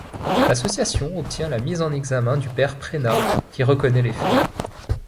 L'association obtient la mise en examen du père Preynat, qui reconnaît les faits.